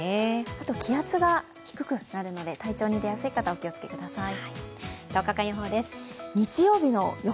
あと気圧が低くなるので体調に出やすい方はお気をつけください。